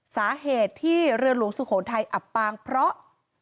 สาเหตุที่เรือหลวงสุโขทัยอับปางเพราะ